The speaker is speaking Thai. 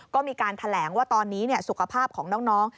ก็มีการแถลงว่าตอนนี้สุขภาพของน้อง